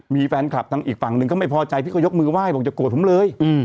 มีแฟนคลับทางอีกฝั่งหนึ่งก็ไม่พอใจพี่ก็ยกมือไหว้บอกอย่าโกรธผมเลย